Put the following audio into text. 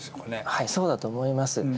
はいそうだと思います。